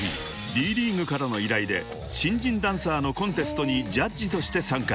Ｄ．ＬＥＡＧＵＥからの依頼で新人ダンサーのコンテストにジャッジとして参加］